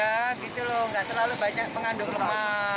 nggak terlalu banyak pengandung lemak